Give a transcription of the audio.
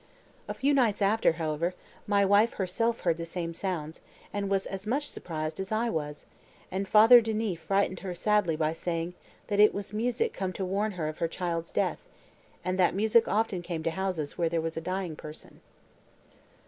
A few nights after, however, my wife herself heard the same sounds, and was as much surprised as I was, and Father Denis frightened her sadly by saying, that it was music come to warn her of her child's death, and that music often came to houses where there was a dying person."